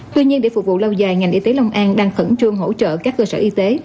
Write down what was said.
tuy nhiên để phục vụ lâu dài ngành y tế long an đang khẩn trương hỗ trợ các cơ sở y tế